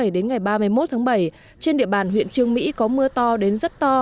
đến ngày ba mươi một tháng bảy trên địa bàn huyện trương mỹ có mưa to đến rất to